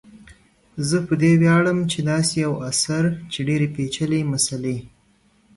زه په دې ویاړم چي داسي یو اثر چي ډیري پیچلي مسالې